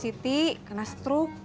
siti kena struk